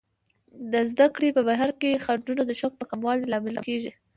د زده کړې په بهیر کې خنډونه د شوق په کموالي لامل کیږي.